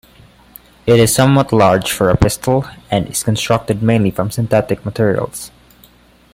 It is somewhat large for a pistol and is constructed mainly from synthetic materials.